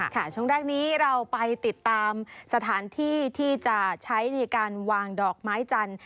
ช่วงแรกนี้เราไปติดตามสถานที่ที่จะใช้ในการวางดอกไม้จันทร์